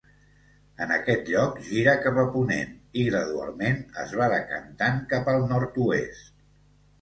En aquest lloc gira cap a ponent i, gradualment, es va decantant cap al nord-oest.